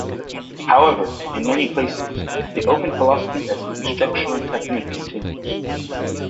However, in many places, the open philosophy as an instructional technique continues.